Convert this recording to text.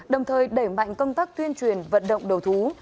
đồng thời đẩy mạnh công tác tuyên truyền vận động đầu thú